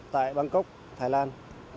tại bangkok thái lan